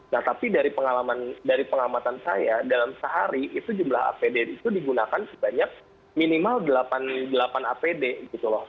nah tapi dari pengalaman dari pengamatan saya dalam sehari itu jumlah apd itu digunakan sebanyak minimal delapan apd gitu loh